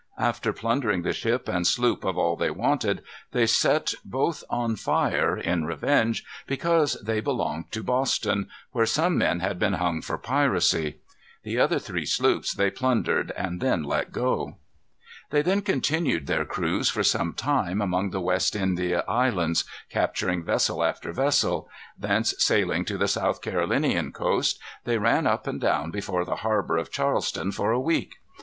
After plundering the ship and sloop of all they wanted, they set both on fire, in revenge, because they belonged to Boston, where some men had been hung for piracy. The other three sloops they plundered and then let go. They then continued their cruise, for some time, among the West India Islands, capturing vessel after vessel. Thence sailing to the South Carolinian coast, they ran up and down before the harbor of Charleston for a week.